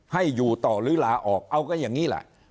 ให้อยู่ต่อหรือลาออกเอาก็อย่างนี้แหละ